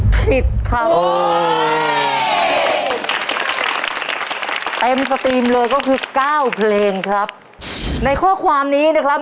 ผิดคำเต็มสตรีมเลยก็คือเก้าเพลงครับในข้อความนี้นะครับ